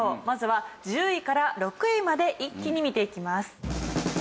まずは１０位から６位まで一気に見ていきます。